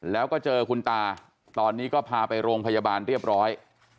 แล้วก็เจอคุณตาตอนนี้ก็พาไปโรงพยาบาลเรียบร้อย